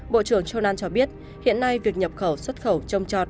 bộ trưởng châu nam cho biết hiện nay việc nhập khẩu xuất khẩu trồng trọt